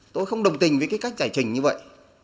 tôi không đồng tình với cái cách giải trình như vậy